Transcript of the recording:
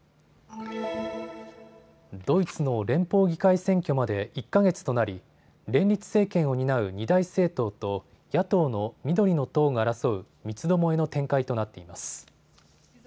ドイツの連邦議会選挙まで１か月となり連立政権を担う二大政党と野党の緑の党が争う三つどもえの展開となっています。